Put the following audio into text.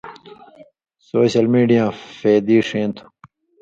سوشل میڈیاں فَیدی ݜَیں تھو